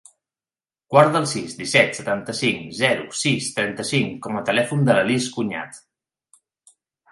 Guarda el sis, disset, setanta-cinc, zero, sis, trenta-cinc com a telèfon de la Lis Cuñat.